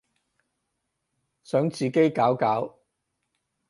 想自己搞搞